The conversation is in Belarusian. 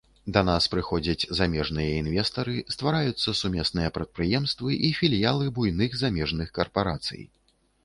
Да нас прыходзяць замежныя інвестары, ствараюцца сумесныя прадпрыемствы і філіялы буйных замежных карпарацый.